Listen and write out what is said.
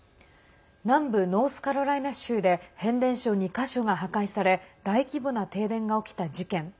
南部ノースカロライナ州で変電所、２か所が破壊され大規模な停電が起きた事件。